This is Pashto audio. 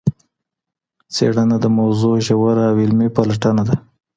څېړنه د موضوع ژوره او علمي پلټنه ده.